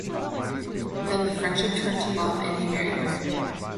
Then the friendship turned to love and he married her.